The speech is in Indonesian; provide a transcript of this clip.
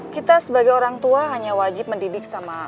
kita sebagai orang tua hanya wajib mendidik sama